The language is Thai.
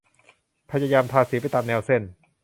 พยายามทาสีไปตามแนวเส้น